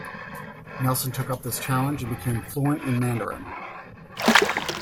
Nelson took up this challenge and became fluent in Mandarin.